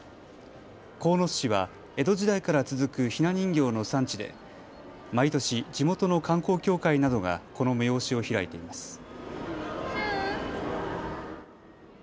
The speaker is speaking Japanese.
鴻巣市は江戸時代から続くひな人形の産地で毎年、地元の観光協会などがこの催しを開いています。